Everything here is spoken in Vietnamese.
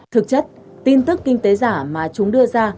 thực chất tin tức kinh tế giả mà chúng đưa ra